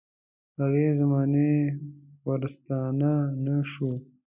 هغې زمانې ورستانه نه شو.